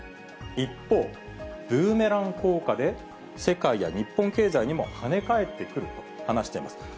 一方、ブーメラン効果で世界や日本経済にも跳ね返ってくると話しています。